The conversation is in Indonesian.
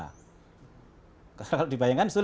karena memang yang dibutuhkan anak untuk bangun geometri ya